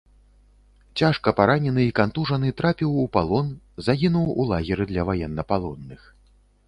Цяжка паранены і кантужаны трапіў у палон, загінуў у лагеры для ваеннапалонных.